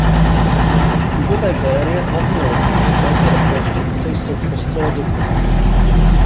Dubové galerie v hlavní lodi z této rekonstrukce jsou v kostele dodnes.